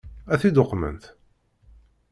Ad t-id-uqment?